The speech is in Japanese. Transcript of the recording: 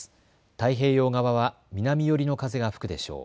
太平洋側は南寄りの風が吹くでしょう。